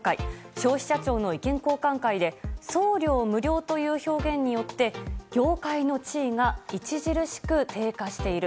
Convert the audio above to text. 消費者庁の意見交換会で送料無料という表現によって業界の地位が著しく低下している。